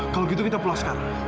kalau gitu kita pulang sekarang